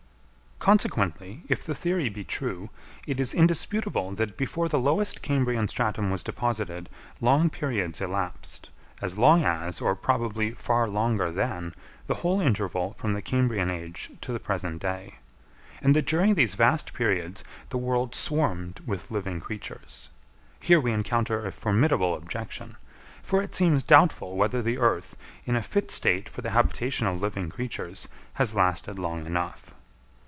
Consequently, if the theory be true, it is indisputable that before the lowest Cambrian stratum was deposited long periods elapsed, as long as, or probably far longer than, the whole interval from the Cambrian age to the present day; and that during these vast periods the world swarmed with living creatures. Here we encounter a formidable objection; for it seems doubtful whether the earth, in a fit state for the habitation of living creatures, has lasted long enough.